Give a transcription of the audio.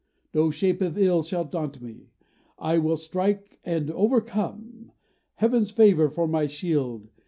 No shape of ill shall daunt me; I will strike And overcome, Heaven's favor for my shield.